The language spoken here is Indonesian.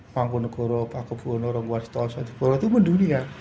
mangkunegara pakubunara wariswara satyagora itu mendunia